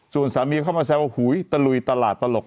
ส่วนสามีเข้ามาแซวว่าหุยตะลุยตลาดตลก